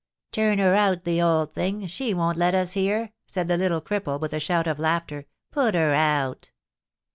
"Turn her out, the old thing! She won't let us hear," said the little cripple, with a shout of laughter; "put her out!"